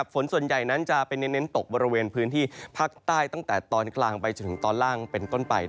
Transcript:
ฝนส่วนใหญ่นั้นจะไปเน้นตกบริเวณพื้นที่ภาคใต้ตั้งแต่ตอนกลางไปจนถึงตอนล่างเป็นต้นไป